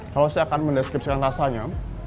kalau saya akan mendeskripsikan rasanya